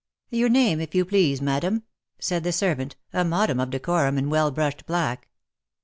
" Your name, if you please, madam ?^^ said the servant, a model of decorum in well brushed black.